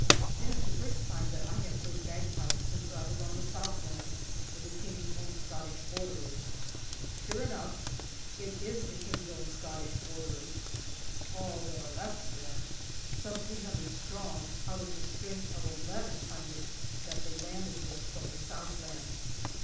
It is the first time that I have heard bagpipes since I was on the Southland with the K.O.S.B.'s. Sure enough it is the K.O.S.B.'s, " all that are left of them," some three hundred strong out of the strength of eleven hundred that they landed with from the Southland.